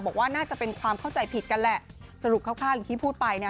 บอกว่าน่าจะเป็นความเข้าใจผิดกันแหละสรุปคร่าวอย่างที่พูดไปนะ